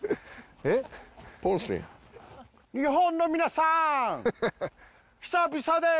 えっ？日本の皆さん久々です。